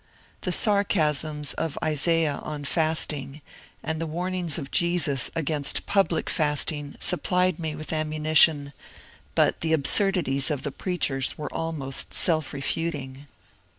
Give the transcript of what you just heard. The sarcasms of Isaiah on fasting, and the warnings of Jesus against public fasting supplied me with ammunition, but the absurdities of the preachers were almost self refuting.